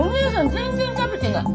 全然食べてない。